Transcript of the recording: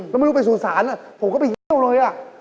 แล้วไม่รู้ไปสู่ศาลผมก็ไปเที่ยวเลย